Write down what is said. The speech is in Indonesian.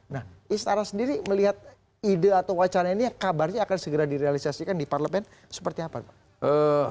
nah istana sendiri melihat ide atau wacana ini kabarnya akan segera direalisasikan di parlemen seperti apa pak